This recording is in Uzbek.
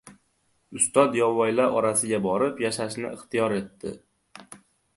Ustod yovvoyilar orasiga borib yashashni ixtiyor etdi.